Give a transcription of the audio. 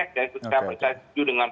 saya bersatu dengan